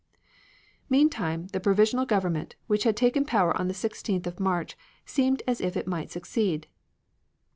Meantime the provisional government, which had taken power on the 16th of March, seemed as if it might succeed.